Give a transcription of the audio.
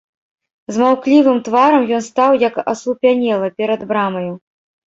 З маўклівым тварам ён стаў, як аслупянелы, перад брамаю.